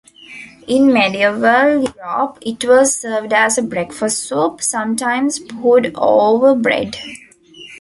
In medieval Europe, it was served as a breakfast soup, sometimes poured over bread.